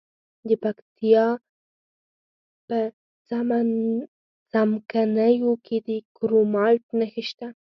د پکتیا په څمکنیو کې د کرومایټ نښې شته.